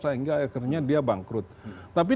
sehingga akhirnya dia bangkrut tapi